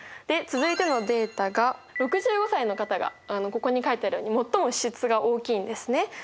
で続いてのデータが６５歳の方がここに書いてあるように最も支出が大きいんですね。